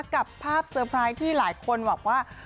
กับภาพเซอร์ไพรส์ที่หลายคนบอกว่า